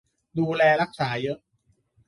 - ดูแลรักษาเยอะ